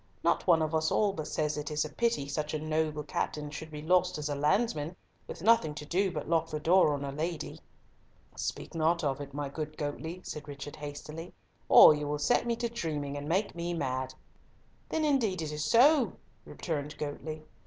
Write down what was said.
Not one of us all but says it is a pity such a noble captain should be lost as a landsman, with nothing to do but to lock the door on a lady." "Speak not of it, my good Goatley," said Richard, hastily, "or you will set me dreaming and make me mad." "Then it is indeed so," returned Goatley.